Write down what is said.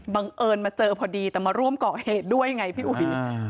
บังเอิญมาเจอพอดีแต่มาร่วมก่อเหตุด้วยไงพี่อุ๋ย